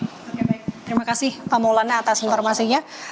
oke baik terima kasih pak maulana atas informasinya